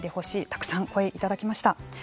たくさん声をいただきました。